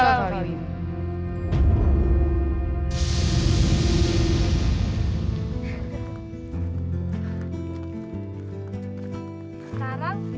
aku tidak boleh gagal kali ini